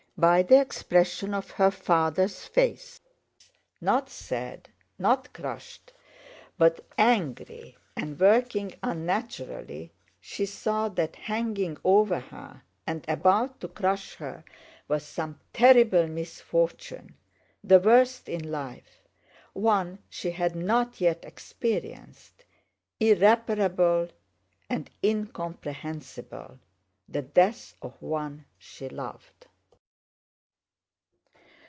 By the expression of her father's face, not sad, not crushed, but angry and working unnaturally, she saw that hanging over her and about to crush her was some terrible misfortune, the worst in life, one she had not yet experienced, irreparable and incomprehensible—the death of one she loved.